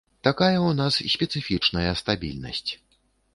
Такая ў нас спецыфічная стабільнасць.